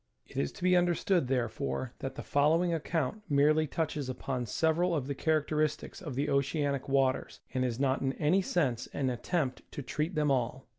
It is to be understood, therefore, that the following account merely touches upon several of the characteristics of the oceanic waters, and is not in any sense an attempt to treat them all.